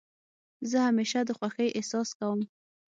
زه همېشه د خوښۍ احساس کوم.